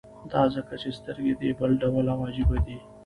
دا ځکه چې سترګې دې بل ډول او عجيبه دي.